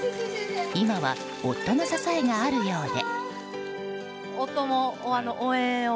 今は、夫の支えがあるようで。